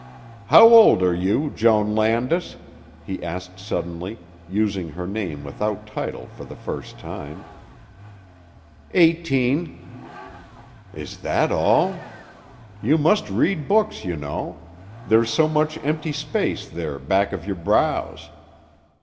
"How old are you, Joan Landis?" he asked suddenly, using her name without title for the first time. "Eighteen." "Is that all? You must read books, you know. There's so much empty space there back of your brows."